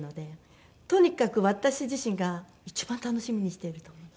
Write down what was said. とにかく私自身が一番楽しみにしていると思います。